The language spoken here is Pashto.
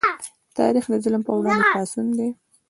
تاریخ د ظلم پر وړاندې پاڅون دی.